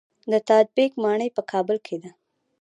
د تاج بیګ ماڼۍ په کابل کې ده